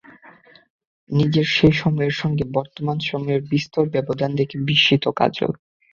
নিজের সেই সময়ের সঙ্গে বর্তমান সময়ের বিস্তর ব্যবধান দেখে বিস্মিত কাজল।